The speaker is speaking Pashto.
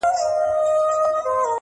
• مینه د انسان در پکښي غواړم اورنۍ -